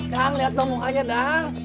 dadang liat dong mukanya dadang